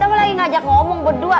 kan kita lagi ngajak ngomong berdua